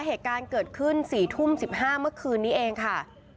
เหตุการณ์เกิดขึ้น๔ทุ่ม๑๕เมื่อคืนนี้เองค่ะ